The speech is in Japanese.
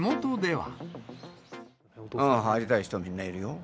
入りたい人、みんないるよ。